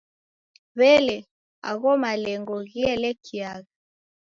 W'elee, agho malengo ghielekiagha?